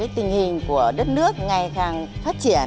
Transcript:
tình hình của đất nước ngày càng phát triển